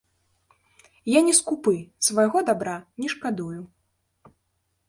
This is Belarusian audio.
Я не скупы, свайго дабра не шкадую.